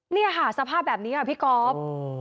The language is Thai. นี่ฮะสภาพแบบนี้อ่ะพี่กอล์ฟ